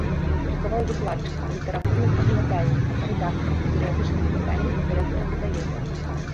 Працаваў выкладчыкам, літаратурным аглядальнікам, рэдактарам у перыядычных выданнях, дырэктарам выдавецтва.